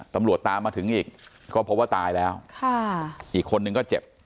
ตามมาถึงอีกก็พบว่าตายแล้วค่ะอีกคนนึงก็เจ็บ